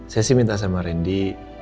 saya sih minta sama randy